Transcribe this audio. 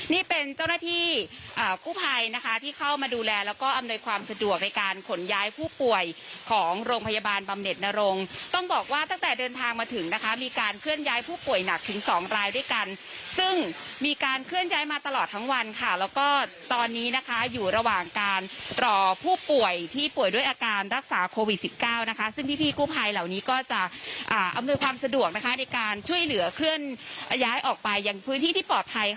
นี่เป็นเจ้าหน้าที่กู้ภัยนะคะที่เข้ามาดูแลแล้วก็อำนวยความสะดวกในการขนย้ายผู้ป่วยของโรงพยาบาลบำเน็ตนารงต้องบอกว่าตั้งแต่เดินทางมาถึงนะคะมีการเคลื่อนย้ายผู้ป่วยหนักถึงสองรายด้วยกันซึ่งมีการเคลื่อนย้ายมาตลอดทั้งวันค่ะแล้วก็ตอนนี้นะคะอยู่ระหว่างการรอผู้ป่วยที่ป่วยด้วยอาการรักษาโควิดสิบเก้านะคะซึ่งพ